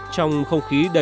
trong không khí đầy đất